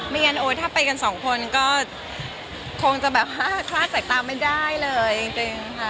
งั้นโอ๊ยถ้าไปกันสองคนก็คงจะแบบว่าคลาดสายตาไม่ได้เลยจริงค่ะ